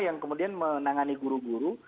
yang kemudian menangani guru guru